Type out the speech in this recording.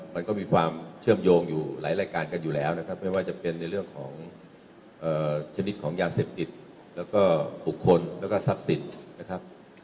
มันก็มีความเชื่อมโยงอยู่หลายรายการกันอยู่แล้วนะครับไม่ว่าจะเป็นในเรื่องของชนิดของยาเสพติดแล้วก็บุคคลแล้วก็ทรัพย์สินนะครับ